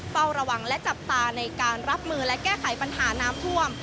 เฝ้าระวังและจับตาในการรับมือและแก้ไขปัญหาน้ำท่วม